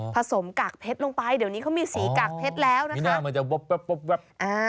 สมกากเพชรลงไปเดี๋ยวนี้เขามีสีกากเพชรแล้วนะคะมันจะวับ